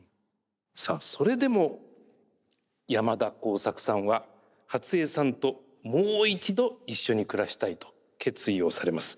さあそれでも山田耕作さんは初江さんともう一度一緒に暮らしたいと決意をされます。